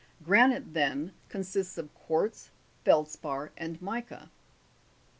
Granite then consists of quartz, feldspar, and mica.